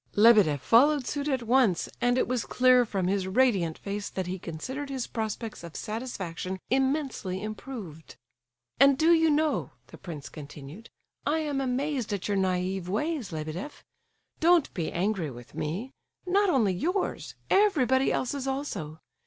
Lebedeff followed suit at once, and it was clear from his radiant face that he considered his prospects of satisfaction immensely improved. "And do you know," the prince continued, "I am amazed at your naive ways, Lebedeff! Don't be angry with me—not only yours, everybody else's also!